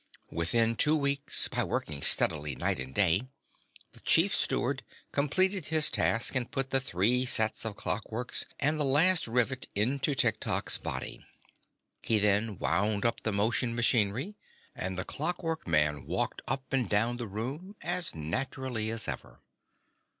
Within two weeks, by working steadily night and day, the Chief Steward completed his task and put the three sets of clockworks and the last rivet into Tiktok's body. He then wound up the motion machinery, and the Clockwork Man walked up and down the room as naturally as ever.